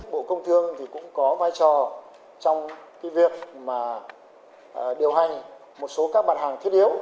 bộ công thương cũng có vai trò trong việc điều hành một số các bản hàng thiết yếu